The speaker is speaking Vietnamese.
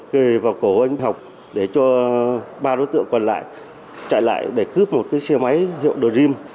đi vào cổ anh học để cho ba đối tượng còn lại chạy lại để cướp một cái xe máy hiệu đồ rim